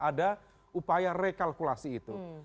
ada upaya rekalkulasi itu